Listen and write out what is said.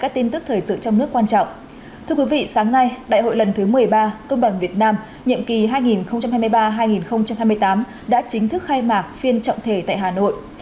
thưa quý vị sáng nay đại hội lần thứ một mươi ba công đoàn việt nam nhiệm kỳ hai nghìn hai mươi ba hai nghìn hai mươi tám đã chính thức khai mạc phiên trọng thể tại hà nội